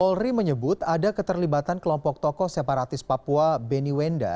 polri menyebut ada keterlibatan kelompok tokoh separatis papua beni wenda